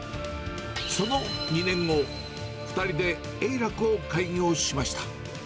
その２年後、２人でえいらくを開業しました。